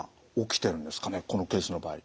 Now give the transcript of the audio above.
このケースの場合。